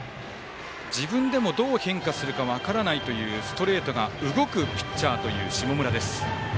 自分でもどう変化するか分からないというストレートが動くピッチャーが下村です。